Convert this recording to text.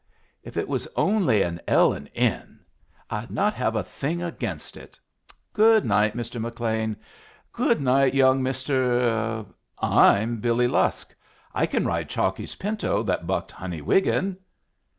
"If it was only an 'L. and N.' I'd not have a thing against it! Good night, Mr. McLean; good night, young Mr. " "I'm Billy Lusk. I can ride Chalkeye's pinto that bucked Honey Wiggin."